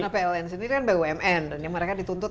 karena pln sendiri kan bumn dan yang mereka dituntut